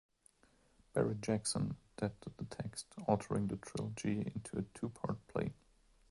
Barry Jackson adapted the text, altering the trilogy into a two-part play.